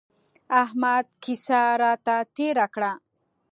احمد کيسه راته تېره کړه.